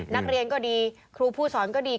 นักเรียนก็ดีครูผู้สอนก็ดี